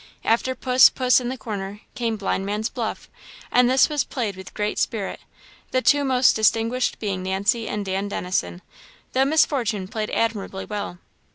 After "puss, puss in the corner" came "blind man's buff;" and this was played with great spirit, the two most distinguished being Nancy and Dan Dennison, though Miss Fortune played admirably well.